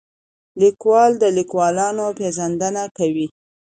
لیکوال د لیکوالانو پېژندنه کوي.